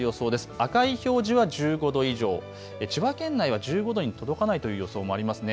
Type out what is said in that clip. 赤い表示は１５度以上、千葉県内は１５度に届かないという予想もありますね。